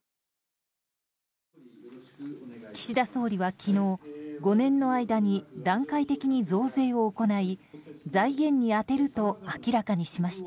岸田総理は昨日、５年の間に段階的に増税を行い財源に充てると明らかにしました。